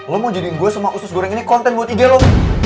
lo mau jadiin gue sama khusus goreng ini konten buat ig lo